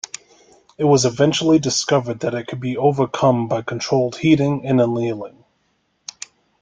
It was eventually discovered that it could be overcome by controlled heating and annealing.